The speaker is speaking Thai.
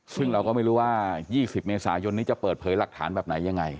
ซึ่งเราก็ไม่รู้ว่า๒๐เมษายนนี้จะเปิดเผยหลักฐานแบบไหนยังไง